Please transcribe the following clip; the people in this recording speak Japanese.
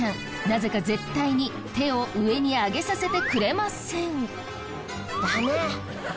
なぜか絶対に手を上に上げさせてくれません。